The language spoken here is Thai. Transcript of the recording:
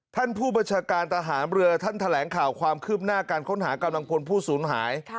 ท่านผู้บัญชาการทหารเรือท่านแถลงข่าวความคืบหน้าการค้นหากำลังพลผู้สูญหาย